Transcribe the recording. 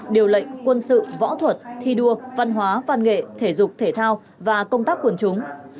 điều lệnh quân sự võ thuật thi đua văn hóa văn nghệ thể dục thể thao và công tác quần chúng